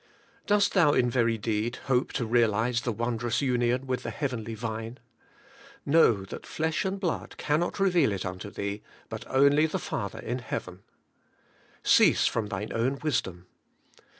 Dost thou in very deed hof)e to realize the wondrous union with the Heavenly Vine? Know that flesh and blood cannot reveal it unto thee, but only the Father in heaven. 'Cease from thine own wisdom.'